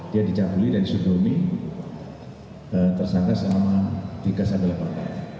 dia dicabuli dan disudomi tersangka selama tiga sampai delapan tahun